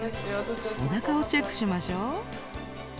おなかをチェックしましょう。